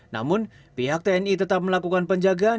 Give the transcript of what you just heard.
namun pihak tni tetap melakukan penjagaan